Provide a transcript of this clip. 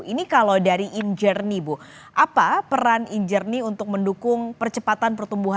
ini kalau dari in journey bu apa peran in journey untuk mendukung percepatan pertumbuhan